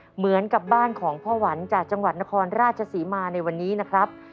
เหมือนกับบ้านของพ่อหวันจากจังหวัดนครราชศรีมาในวันนี้นะครับ